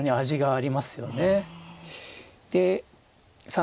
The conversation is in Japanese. あ